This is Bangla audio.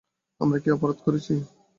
আমরা কী অপরাধ করেছি!